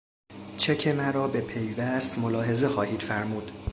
چک مرا به پیوست ملاحظه خواهید فرمود.